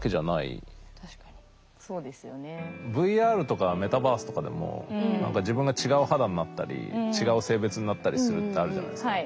ＶＲとかメタバースとかでも何か自分が違う肌になったり違う性別になったりするってあるじゃないですか。